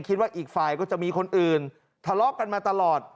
คิดว่าอีกฝ่ายก็จะมีคนอื่นทะเลาะกันมาตลอด